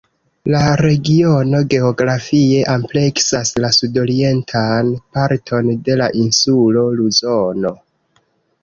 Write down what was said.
La regiono geografie ampleksas la sudorientan parton de la insulo Luzono.